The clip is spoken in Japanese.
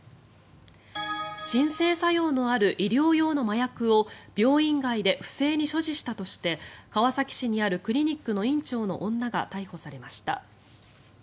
鎮静作用のある医療用の麻薬を病院外で不正に所持したとして川崎市にあるクリニックの院長の女が逮捕されました。